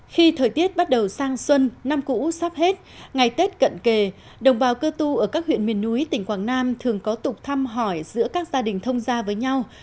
khi thời tiết bắt đầu sang xuân năm cũ sắp hết ngày tết cận kề đồng bào cơ tu ở các huyện miền núi tỉnh quảng nam thường có tục thăm hỏi giữa các gia đình thông gia với nhau